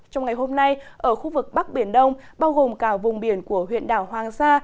trong ngày hôm nay ở khu vực bắc biển đông bao gồm cả vùng biển của huyện đảo hoàng sa